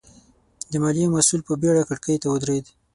د ماليې مسوول په بېړه کړکۍ ته ودرېد.